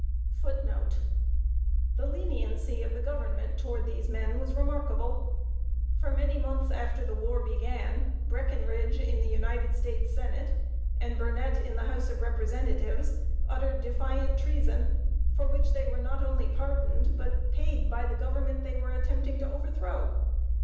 The leniency of the Government toward these men was remarkable. For many months after the war began, Breckinridge, in the United States Senate, and Burnett, in the House of Representatives, uttered defiant treason, for which they were not only pardoned, but paid by the Government they were attempting to overthrow.